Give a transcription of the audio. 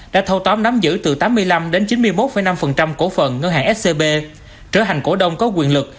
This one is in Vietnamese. đã thâu tóm nắm giữ từ tám mươi năm đến chín mươi một năm cổ phận ngân hàng scb trở thành cổ đông có quyền lực